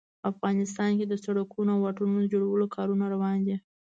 افغانستان کې د سړکونو او واټونو د جوړولو کارونه روان دي